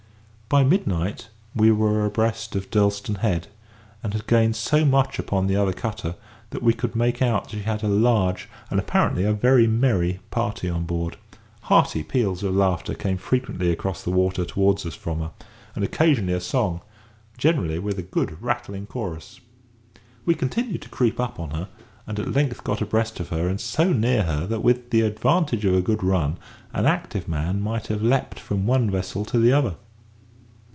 By midnight we were abreast of Durlstone Head, and had gained so much upon the other cutter that we could make out that she had a large and apparently a very merry party on board. Hearty peals of laughter came frequently across the water towards us from her, and occasionally a song, generally with a good rattling chorus. We continued to creep up to her, and at length got abreast of and so near her that, with the advantage of a good run, an active man might have leaped from one vessel to the other.